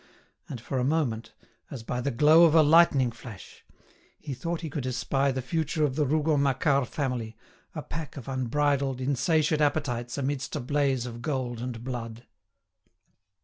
And for a moment, as by the glow of a lightning flash, he thought he could espy the future of the Rougon Macquart family, a pack of unbridled, insatiate appetites amidst a blaze of gold and blood.